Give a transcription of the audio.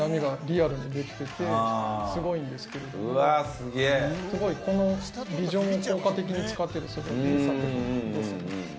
スゴいこのビジョンを効果的に使っててスゴい作品ですね。